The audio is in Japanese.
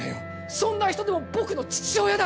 そんな人でも僕の父親だ！